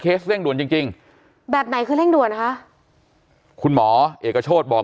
เคสเร่งด่วนจริงแบบไหนคือเร่งด่วนคะคุณหมอเอกโชศบอก